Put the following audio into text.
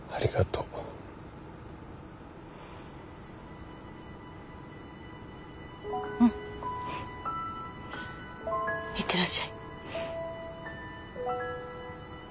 うん。いってらっしゃい。